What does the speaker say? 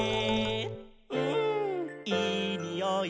「うんいいにおい」